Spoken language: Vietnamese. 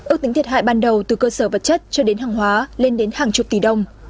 ước tính thiệt hại ban đầu từ cơ sở vật chất cho đến hàng hóa lên đến hàng chục tỷ đồng